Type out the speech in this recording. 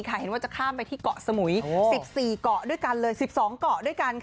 เห็นว่าจะข้ามไปที่เกาะสมุย๑๔เกาะด้วยกันเลย๑๒เกาะด้วยกัน